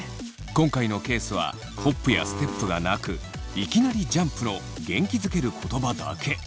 今回のケースはホップやステップがなくいきなりジャンプの元気づける言葉だけ。